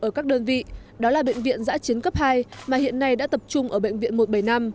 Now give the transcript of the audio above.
ở các đơn vị đó là bệnh viện giã chiến cấp hai mà hiện nay đã tập trung ở bệnh viện một trăm bảy mươi năm